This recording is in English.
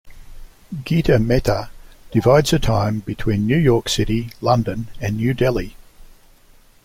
Gita Mehta divides her time between New York City, London and New Delhi.